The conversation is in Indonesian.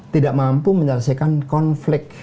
tidak mampu menyelesaikan konflik